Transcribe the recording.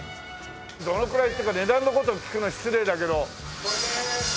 どのくらいっていうか値段の事を聞くのは失礼だけど。